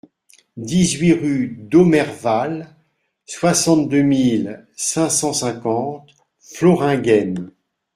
dix-huit rue d'Aumerval, soixante-deux mille cinq cent cinquante Floringhem